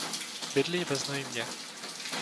Bydlí ve Znojmě.